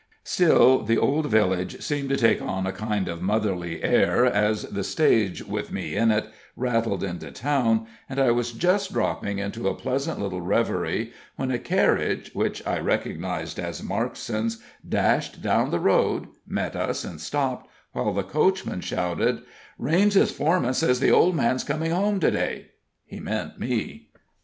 Still the old village seemed to take on a kind of motherly air as the stage, with me in it, rattled into town, and I was just dropping into a pleasant little reverie, when a carriage, which I recognized as Markson's, dashed down the road, met us, and stopped, while the coachman shouted: "Raines's foreman says the old man's coming home to day." He meant me.